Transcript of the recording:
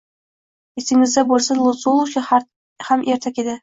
Esingizda bo'lsa "Zolushka" ham ertak edi...